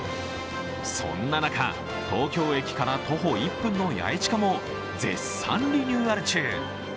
そんな中、東京駅から徒歩１分のヤエチカも絶賛リニューアル中。